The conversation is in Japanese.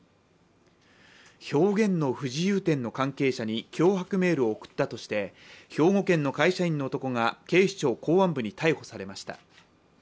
「表現の不自由展」の関係者に脅迫メールを送ったとして兵庫県の会社員の男が警視庁公安部に逮捕されました。